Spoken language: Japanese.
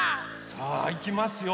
さあいきますよ。